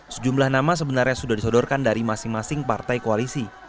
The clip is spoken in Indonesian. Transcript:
sejumlah nama sebenarnya sudah disodorkan dari masing masing partai koalisi